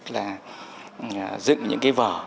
là dựng những cái vở